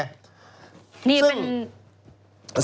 ซึ่ง